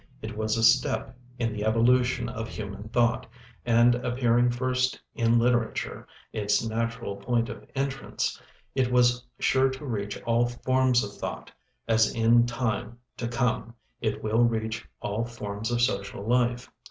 It was a step in the evolution of human thought; and appearing first in literature, its natural point of entrance, it was sure to reach all forms of thought, as in time to come it will reach all forms of social life.